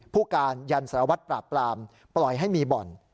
ผู้การยันสารวัตรปราบปรามปล่อยให้มีบ่อน